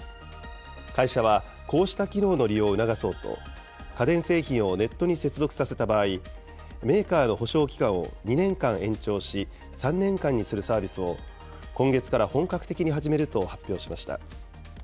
会社は、こうした機能の利用を促そうと、家電製品をネットに接続させた場合、メーカーの保証期間を２年間延長し、３年間にするサービスを今月から本格的に始めると発表しました。